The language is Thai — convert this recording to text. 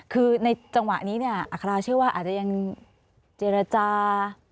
คือในจังหวะนี้เนี่ยอัคราเชื่อว่าอาจจะยังเจรจา